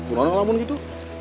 gimana lamun gitu